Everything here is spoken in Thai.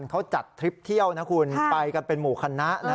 เขาจัดทริปเที่ยวไปกันเป็นหมู่ขนะ